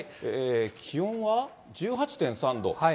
気温は１８．３度。